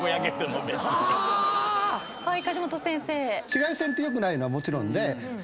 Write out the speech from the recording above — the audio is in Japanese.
紫外線って良くないのはもちろんで。